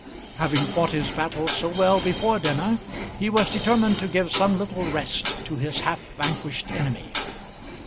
Having fought his battle so well before dinner, he was determined to give some little rest to his half vanquished enemy.